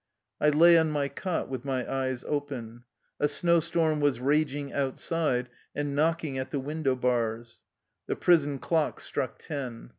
I lay on my cot with my eyes open. A snow storm was raging outside and knocking at the window bars. The prison clock struck ten.